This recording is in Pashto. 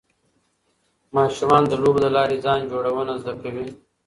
ماشومان د لوبو له لارې ځان جوړونه زده کوي.